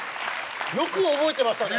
よく覚えてましたね。